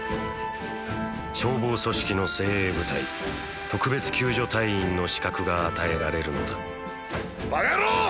消防組織の精鋭部隊特別救助隊員の「資格」が与えられるのだ馬鹿野郎！